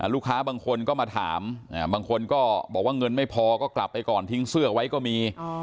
ลูกค้าบางคนก็มาถามบางคนก็บอกว่าเงินไม่พอก็กลับไปก่อนทิ้งเสื้อไว้ก็มี